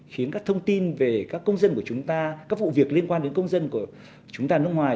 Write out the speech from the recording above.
khiến các thông tin về các công dân của chúng ta các vụ việc liên quan đến công dân của chúng ta ở nước ngoài